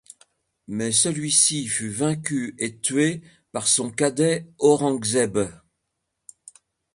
Mais celui-ci fut vaincu et tué par son cadet Aurangzeb.